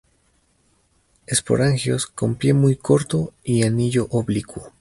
Esporangios con pie muy corto y anillo oblicuo.